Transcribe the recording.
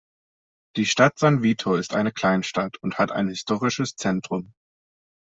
Die Stadt San Vito ist eine Kleinstadt und hat ein historisches Zentrum.